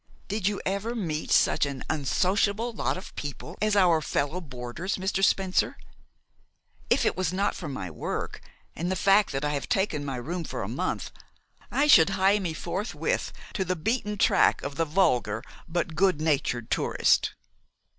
Did you ever meet such an unsociable lot of people as our fellow boarders, Mr. Spencer? If it was not for my work, and the fact that I have taken my room for a month, I should hie me forthwith to the beaten track of the vulgar but good natured tourist."